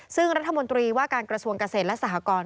ซึ่งรัฐมนตรีว่าการกระทรวงเกษตรและสหกร